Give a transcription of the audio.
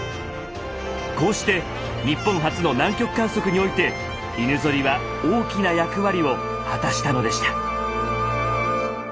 こうして日本初の南極観測において犬ゾリは大きな役割を果たしたのでした。